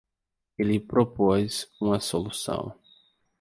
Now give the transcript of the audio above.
Ele propôs uma solução.